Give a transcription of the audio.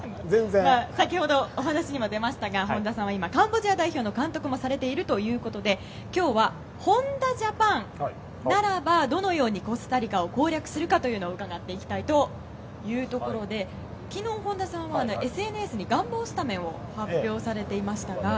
先ほどお話にも出ましたが本田さんは今、カンボジア代表の監督もされているということで今日は本田ジャパンならばどのようにコスタリカを攻略するか伺っていきたいというところで昨日、本田さんはＳＮＳに願望スタメンを発表されていましたが。